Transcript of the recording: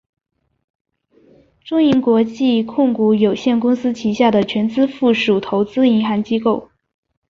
中银国际控股有限公司旗下的全资附属投资银行机构。